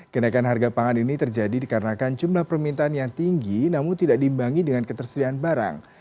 kenaikan harga pangan ini terjadi dikarenakan jumlah permintaan yang tinggi namun tidak diimbangi dengan ketersediaan barang